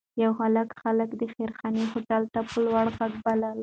یو هلک خلک د خیرخانې هوټل ته په لوړ غږ بلل.